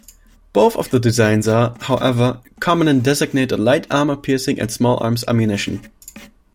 Both of the designs are, however, common in designated light armor-piercing small arms ammunition.